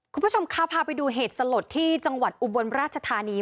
คุณผู้ชมคะพาไปดูเหตุสลดที่จังหวัดอุบลราชธานี